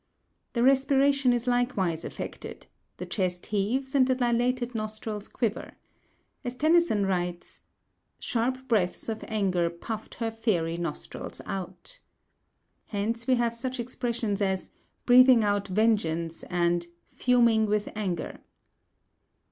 The respiration is likewise affected; the chest heaves, and the dilated nostrils quiver. As Tennyson writes, "sharp breaths of anger puffed her fairy nostrils out." Hence we have such expressions as "breathing out vengeance," and "fuming with anger."